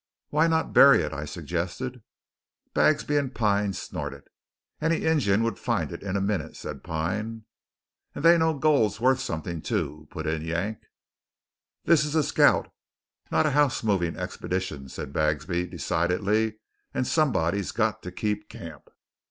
"Why not bury it?" I suggested. Bagsby and Pine snorted. "Any Injun would find it in a minute," said Pine. "And they know gold's worth something, too," put in Yank. "This is a scout, not a house moving expedition," said Bagsby decidedly, "and somebody's got to keep camp."